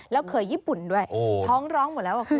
แล้วเคยญี่ปุ่นด้วยท้องร้องหมดแล้ว